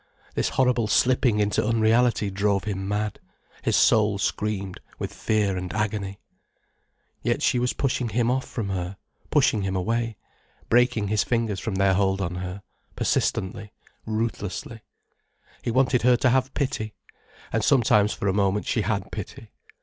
This horrible slipping into unreality drove him mad, his soul screamed with fear and agony. Yet she was pushing him off from her, pushing him away, breaking his fingers from their hold on her, persistently, ruthlessly. He wanted her to have pity. And sometimes for a moment she had pity.